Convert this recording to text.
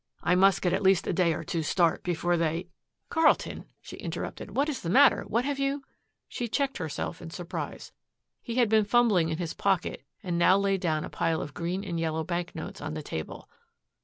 I must get at least a day or two start before they " "Carlton," she interrupted, "what is the matter? What have you " She checked herself in surprise. He had been fumbling in his pocket and now laid down a pile of green and yellow banknotes on the table.